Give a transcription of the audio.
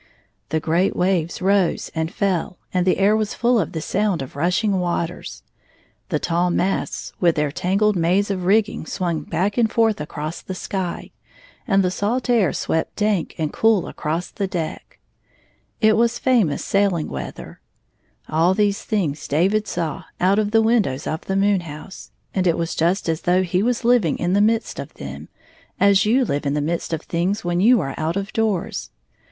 The great waves rose and fell, and the air was full of the sound of rushing waters, The tall masts with their tangled maze of rigging swung back and forth across the sky, and the salt air swept dank and cool across the deck. It was famous sailing weather. All these things David saw out of the windows of the moon house — and it was just as though he was living in the midst of them, as you live in the midst of tilings when you are out of doors.